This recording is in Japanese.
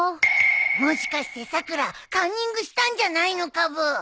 もしかしてさくらカンニングしたんじゃないのかブー。